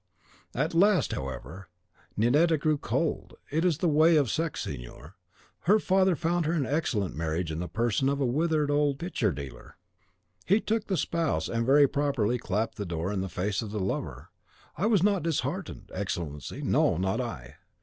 At last, however, Ninetta grew cold. It is the way of the sex, signor. Her father found her an excellent marriage in the person of a withered old picture dealer. She took the spouse, and very properly clapped the door in the face of the lover. I was not disheartened, Excellency; no, not I.